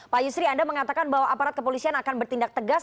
pak yusri anda mengatakan bahwa aparat kepolisian akan bertindak tegas